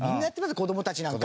子どもたちなんか。